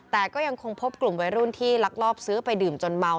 แต่ก็ยังคงพบกลุ่มวัยรุ่นที่ลักลอบซื้อไปดื่มจนเมา